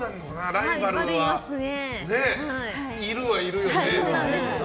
ライバルは、いるはいるよね。